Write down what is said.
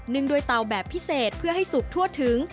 ด้วยเตาแบบพิเศษเพื่อให้สุกทั่วถึง